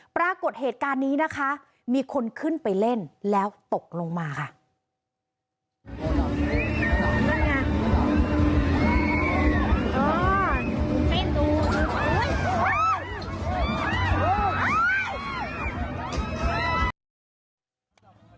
ปรากฏเหตุการณ์นี้นะคะมีคนขึ้นไปเล่นแล้วตกลงมาค่ะ